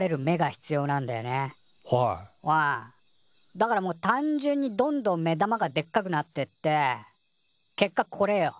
だからもう単純にどんどん目玉がでっかくなってって結果これよ。